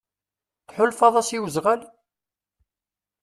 Tḥulfaḍ-as i wezɣal?